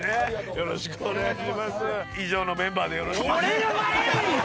よろしくお願いします。